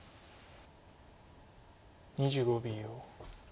２５秒。